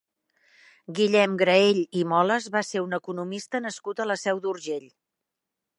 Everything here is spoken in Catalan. Guillem Graell i Moles va ser un economista nascut a la Seu d'Urgell.